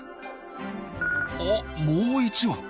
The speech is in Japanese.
あもう１羽。